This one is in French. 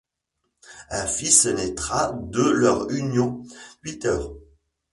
Un fils naîtra de leur union, Peter.